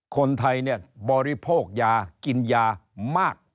คนไทยเนี่ยบริโภคยากินยามาก